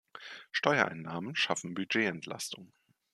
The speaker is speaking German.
Steuereinnahmen schaffen Budgetentlastung.